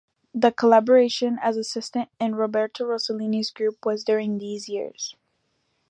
The collaboration as assistant in Roberto Rossellini’s group was during these years.